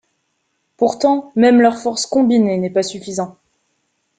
Pourtant, même leur forces combinés n'est pas suffisant.